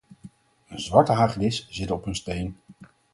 Een zwarte hagedis zit op een steen.